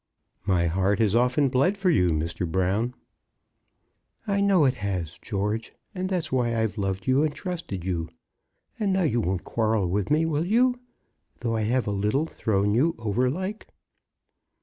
"My heart has often bled for you, Mr. Brown." "I know it has, George; and that's why I've loved you and trusted you. And now you won't quarrel with me, will you, though I have a little thrown you over like?"